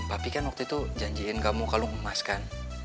papi kan waktu itu janjiin kamu kalung emas kan